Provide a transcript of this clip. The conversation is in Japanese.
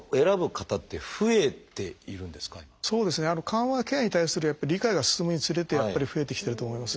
緩和ケアに対する理解が進むにつれてやっぱり増えてきてると思います。